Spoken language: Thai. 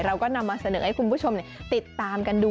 เราก็นำมาเสนอให้คุณผู้ชมติดตามกันดู